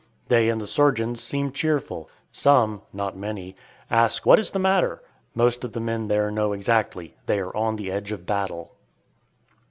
They and the surgeons seem cheerful. Some, not many, ask "What is the matter?" Most of the men there know exactly: they are on the edge of battle.